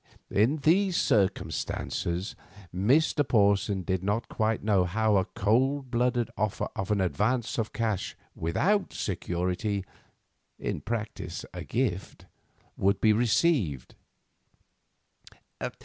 In these circumstances, Mr. Porson did not quite know how a cold blooded offer of an advance of cash without security—in practice a gift—would be received.